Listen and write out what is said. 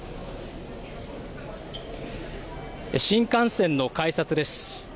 新幹線の改札です。